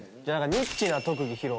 ニッチな特技披露。